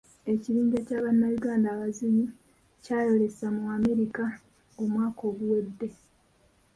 Ekibinja kya bannayuganda abazinyi kyayolesa mu America omwaka oguwedde.